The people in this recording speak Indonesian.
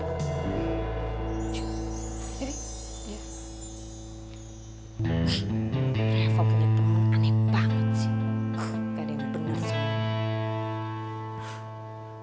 reva punya pemenang aneh banget sih